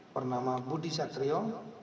pernama budi satrio